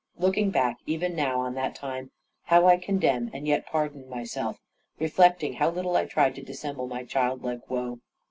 Looking back, even now, on that time, how I condemn and yet pardon myself, reflecting how little I tried to dissemble my child like woe.